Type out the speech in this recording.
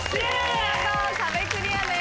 見事壁クリアです。